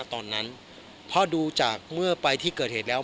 ตอนนั้นเพราะดูจากเมื่อไปที่เกิดเหตุแล้ว